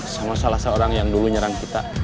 sama salah seorang yang dulu nyerang kita